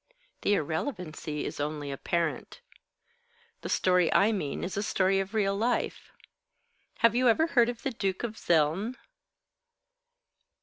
"The irrelevancy is only apparent. The story I mean is a story of real life. Have you ever heard of the Duke of Zeln?"